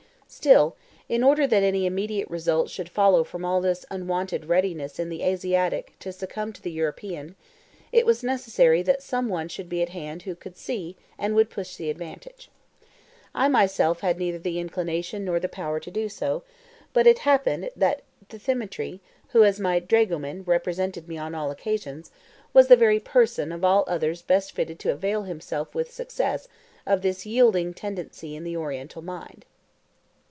Still, in order that any immediate result should follow from all this unwonted readiness in the Asiatic to succumb to the European, it was necessary that some one should be at hand who could see and would push the advantage. I myself had neither the inclination nor the power to do so, but it happened that Dthemetri, who as my dragoman represented me on all occasions, was the very person of all others best fitted to avail himself with success of this yielding tendency in the Oriental mind.